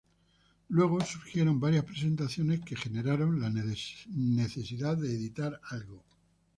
Luego surgieron varias presentaciones que generaron la necesidad de editar algo.